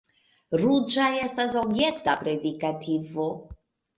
Ruĝa estas objekta predikativo.